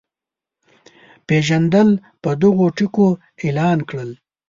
پېژندل په دغو ټکو اعلان کړل.